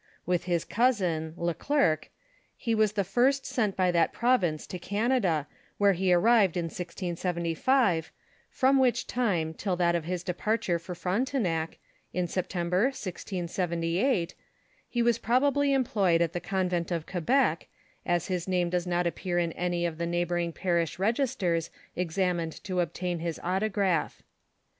With his cousin le Clercq, he was the first sent by thot province to Canada where he arrived in 1676, from which time till that of his departure for Fronte nac, in September, 1678, he was probably employed at the convent of Quebec, as his name does not appear in any of the neighboring parish registers examined to obtain his autograph.